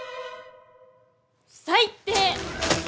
最低！